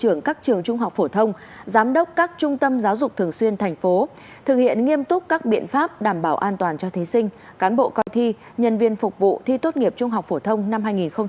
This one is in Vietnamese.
học sinh phải đeo khẩu trang giám đốc các trung tâm giáo dục thường xuyên thành phố thực hiện nghiêm túc các biện pháp đảm bảo an toàn cho thí sinh cán bộ coi thi nhân viên phục vụ thi tốt nghiệp trung học phổ thông năm hai nghìn hai mươi